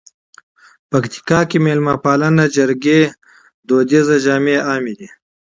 پکتیکا کې مېلمه پالنه، جرګې، عنعنوي جامي عام دي.